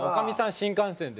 新幹線です。